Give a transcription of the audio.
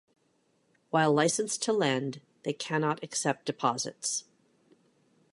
While licensed to lend, they cannot accept deposits.